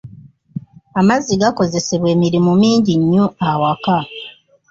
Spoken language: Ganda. Amazzi gakozesebwa emirimu mingi nnyo ewaka.